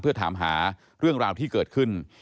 เพื่อถามหาเรื่องราวที่เกิดขึ้น